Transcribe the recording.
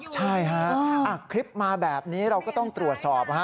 ใช่ฮะคลิปมาแบบนี้เราก็ต้องตรวจสอบ